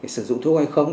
sử dụng thuốc hay không